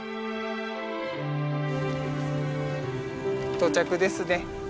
到着ですね。